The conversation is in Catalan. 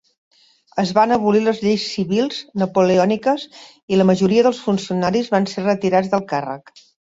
Es van abolir les lleis civils napoleòniques i la majoria dels funcionaris van ser retirats del càrrec.